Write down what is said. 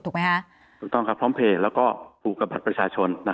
ถูกต้องครับพร้อมเพลย์แล้วก็ผูกกับบัตรประชาชน